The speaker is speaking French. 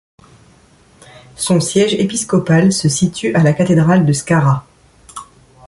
Son siège épiscopal se situe à la Cathédrale de Skara.